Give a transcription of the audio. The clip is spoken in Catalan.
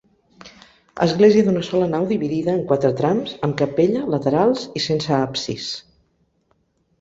Església d'una sola nau dividida en quatre trams, amb capella, laterals i sense absis.